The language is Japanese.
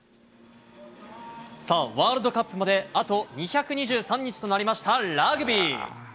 ワールドカップまであと２２３日となりましたラグビー。